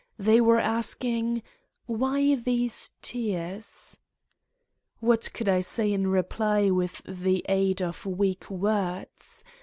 They were asking: Why these tears f What could I say in reply with the aid of weak words